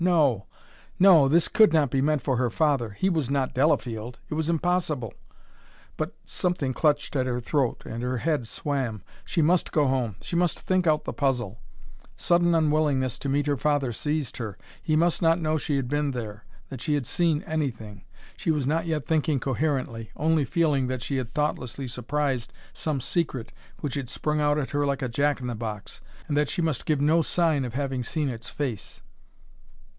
No, no! this could not be meant for her father he was not Delafield it was impossible! But something clutched at her throat, and her head swam. She must go home; she must think out the puzzle. Sudden unwillingness to meet her father seized her. He must not know she had been there, that she had seen anything. She was not yet thinking coherently, only feeling that she had thoughtlessly surprised some secret, which had sprung out at her like a jack in the box, and that she must give no sign of having seen its face.